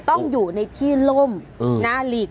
ต้องอยู่ในที่ล่มนะหลีก